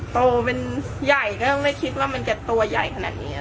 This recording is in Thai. โตใหญ่ก็ไม่คิดว่าจะโตใหญ่ขนาดนี้